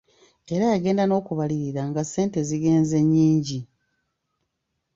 Era yagenda n'okubalirira nga ssente zigenze nnyingi.